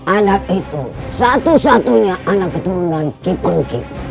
anak itu satu satunya anak keturunan kipangkip